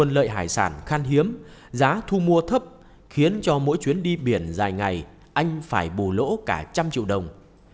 lợi hải sản khan hiếm giá thu mua thấp khiến cho mỗi chuyến đi biển dài ngày anh phải bù lỗ cả một trăm linh triệu đồng